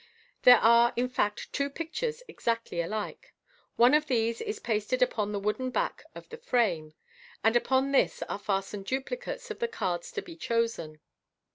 There are, in fact, two pictures exactly alike. One of these is pasted upon the wooden back of the frame, and upon this are fastened duplicates of the cards to be chosen.